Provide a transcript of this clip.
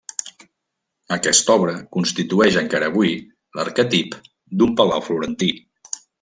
Aquesta obra constitueix, encara avui, l'arquetip d'un palau florentí.